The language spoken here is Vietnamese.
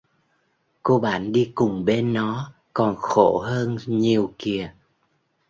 Cô bạn đi cùng bên nó còn khổ hơn nhiều kìa